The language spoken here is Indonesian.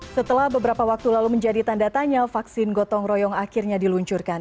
setelah beberapa waktu lalu menjadi tanda tanya vaksin gotong royong akhirnya diluncurkan